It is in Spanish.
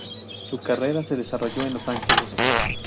Su carrera se desarrolló en Los Ángeles.